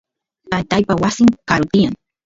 tataypa wasin karu tiyan